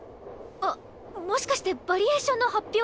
あっもしかしてヴァリエーションの発表？